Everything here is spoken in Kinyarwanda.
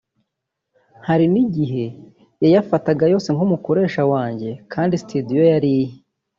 Hari n’igihe yayafataga yose nk’umukoresha wanjye kandi studio yari iye